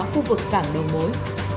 khu vực cảng đường mối